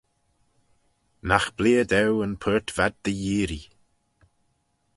Nagh b'leayr daue yn purt v'ad dy yearree.